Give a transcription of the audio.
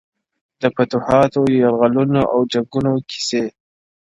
د فتوحاتو یرغلونو او جنګونو کیسې.